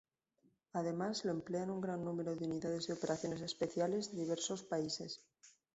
Además lo emplean un gran número de unidades de operaciones especiales de diversos países.